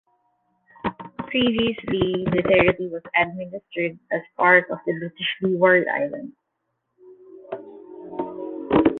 Previously, the territory was administered as part of the British Leeward Islands.